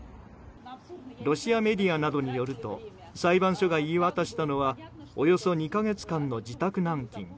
ロシアメディアなどによると裁判所が言い渡したのはおよそ２か月間の自宅軟禁。